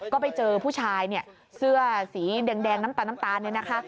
ก็ไปเจอผู้ชายเสื้อสีแดงน้ำตาลนี่นะคะ